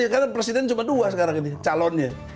karena presiden cuma dua sekarang ini calonnya